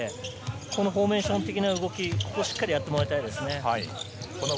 フォーメーション的な動きをしっかりやってもらいたいですね。